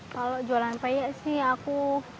kalau jualan peyya sih aku